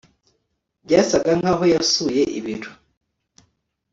Byasaga nkaho yasuye ibiro